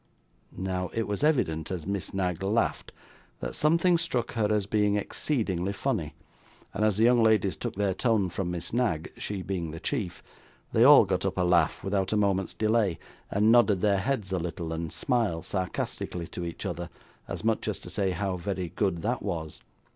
Now, it was evident, as Miss Knag laughed, that something struck her as being exceedingly funny; and as the young ladies took their tone from Miss Knag she being the chief they all got up a laugh without a moment's delay, and nodded their heads a little, and smiled sarcastically to each other, as much as to say how very good that was!